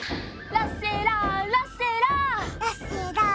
ラッセラー、ラッセラー。